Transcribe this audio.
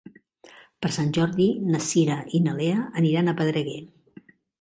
Per Sant Jordi na Cira i na Lea aniran a Pedreguer.